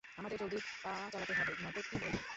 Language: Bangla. আমাদের জলদি পা চালাতে হবে, নয়তো - কী বললে?